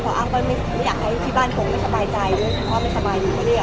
พออ้างก็ไม่อยากให้ที่บ้านผมไม่สบายใจด้วยเพราะว่าไม่สบายอยู่ก็เรียก